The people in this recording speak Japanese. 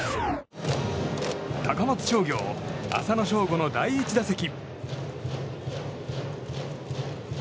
高松商業、浅野翔吾の第１打席。